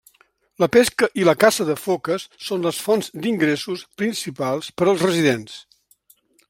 La pesca i la caça de foques són les fonts d'ingressos principals per als residents.